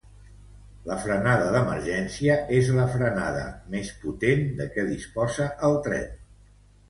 La frenada d'emergència és la frenada més potent de què disposa el tren.